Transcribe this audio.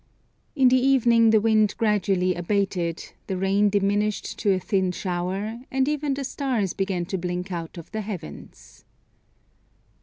In the evening the wind gradually abated, the rain diminished to a thin shower, and even the stars began to blink out of the heavens.